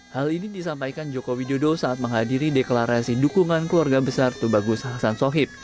hal ini disampaikan joko widodo saat menghadiri deklarasi dukungan keluarga besar tubagus hasan sohib